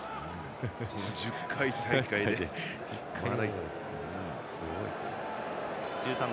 １０回大会で、まだ１回も。